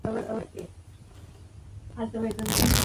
خوښي ماشوم ته مثبت چلند ښووي.